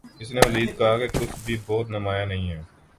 اس نے مزید کہا کچھ بھِی بہت نُمایاں نہیں ہے